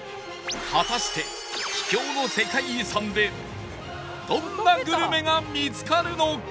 果たして秘境の世界遺産でどんなグルメが見つかるのか？